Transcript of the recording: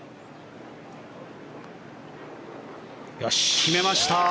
決めました。